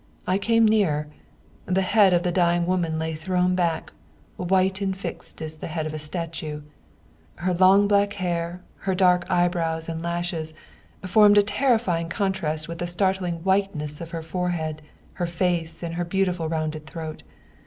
I came nearer; the head of the dying woman lay thrown back, white and fixed as the head of a statue. Her long black hair, her dark eyebrows and lashes formed a terrify ing contrast with the startling whiteness of her forehead, her face, and her beautiful rounded throat.